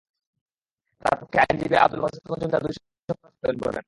তাঁর পক্ষে আইনজীবী আবদুল বাসেত মজুমদার দুই সপ্তাহ সময়ের আবেদন করেন।